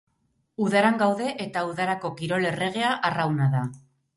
Udaran gaude eta udarako kirol erregea arrauna da.